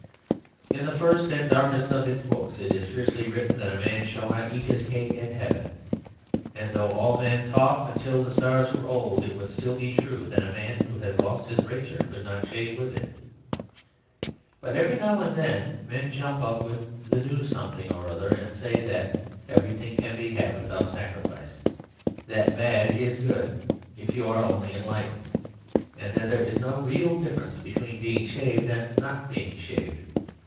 "In the first and darkest of its books it is fiercely written that a man shall not eat his cake and have it; and though all men talked until the stars were old it would still be true that a man who has lost his razor could not shave with it. But every now and then men jump up with the new something or other and say that everything can be had without sacrifice, that bad is good if you are only enlightened, and that there is no real difference between being shaved and not being shaved.